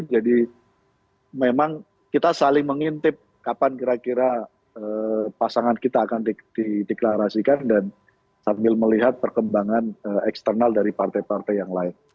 jadi memang kita saling mengintip kapan kira kira pasangan kita akan dideklarasikan dan sambil melihat perkembangan eksternal dari perspektif itu